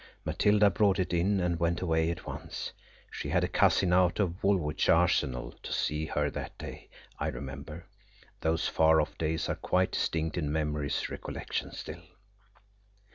Matilda brought it in and went away at once. She had a cousin out of Woolwich Arsenal to see her that day, I remember. Those far off days are quite distinct in memory's recollection still.